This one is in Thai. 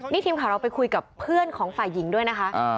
นี่ทีมข่าวเราไปคุยกับเพื่อนของฝ่ายหญิงด้วยนะคะ